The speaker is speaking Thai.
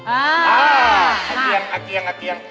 อาเกียง